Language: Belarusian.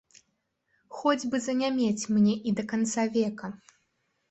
Хоць бы занямець мне і да канца века!